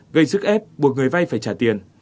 gây sức ép buộc người vay phải trả tiền